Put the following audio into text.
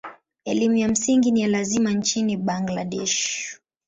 Elimu ya msingi ni ya lazima nchini Bangladesh.